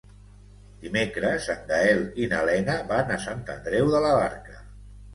Dimecres en Gaël i na Lena van a Sant Andreu de la Barca.